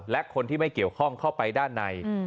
และคนที่ไม่เกี่ยวข้องเข้าไปด้านใน